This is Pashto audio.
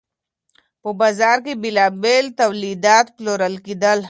په بازار کي بیلابیل تولیدات پلورل کیدل.